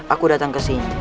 aku datang ke sini